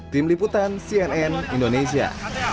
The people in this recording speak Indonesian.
tim liputan cnn indonesia